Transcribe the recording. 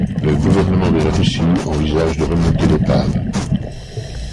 Le gouvernement de la Russie envisage de remonter l'épave.